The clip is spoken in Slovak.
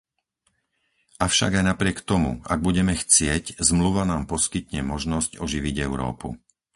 Avšak aj napriek tomu, ak budeme chcieť, Zmluva nám poskytne možnosť oživiť Európu.